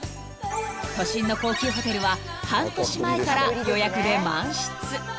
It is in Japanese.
［都心の高級ホテルは半年前から予約で満室］